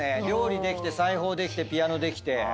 料理できて裁縫できてピアノできて。